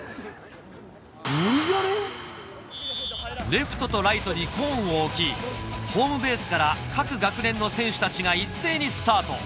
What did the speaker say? レフトとライトにコーンを置きホームベースから各学年の選手たちが一斉にスタート